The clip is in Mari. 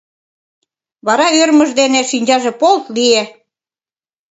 Вара ӧрмыж дене шинчаже полт лие: